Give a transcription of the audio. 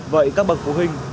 vậy các bậc phụ huynh